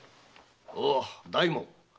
おう大門。